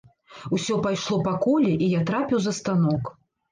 Усё пайшло па коле, і я трапіў за станок.